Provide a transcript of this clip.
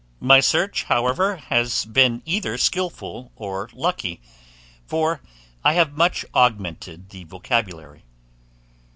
My search, however, has been either skilful or lucky; for I have much augmented the vocabulary.